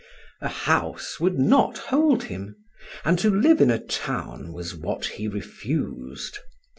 A house would not hold him, and to live in a town was what he refused.